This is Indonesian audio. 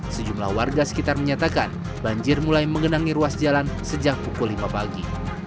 sejumlah warga sekitar menyatakan banjir mulai mengenangi ruas jalan sejak pukul lima pagi